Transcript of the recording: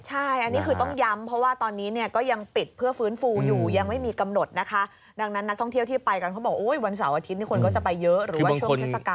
ใช่อันนี้คือต้องย้ำเพราะว่าตอนนี้เนี่ยก็ยังปิดเพื่อฟื้นฟูอยู่ยังไม่มีกำหนดนะคะดังนั้นนักท่องเที่ยวที่ไปกันเขาบอกโอ้ยวันเสาร์อาทิตย์คนก็จะไปเยอะหรือว่าช่วงเทศกาล